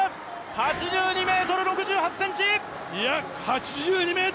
８２ｍ６８ｃｍ！